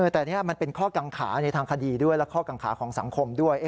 แต่นี่มันเป็นข้อกังขาในทางคดีด้วยและข้อกังขาของสังคมด้วย